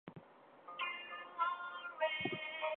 In the film it is sung by Juliette Lewis.